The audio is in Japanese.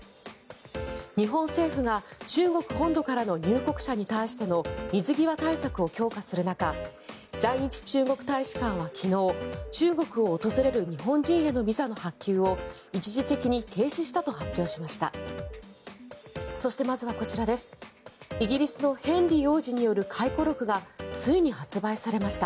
日本政府が中国本土からの入国者に対しての水際対策を強化する中在日中国大使館は昨日中国を訪れる日本人へのビザの発給を一時的に停止したと発表しました。